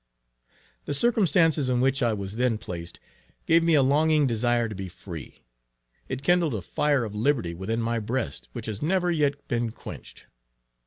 The circumstances in which I was then placed, gave me a longing desire to be free. It kindled a fire of liberty within my breast which has never yet been quenched.